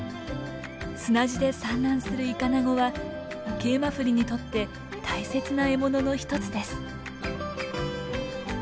砂地で産卵するイカナゴはケイマフリにとって大切な獲物の一つです。